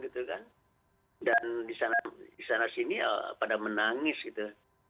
dan di sana sini pada menangis gitu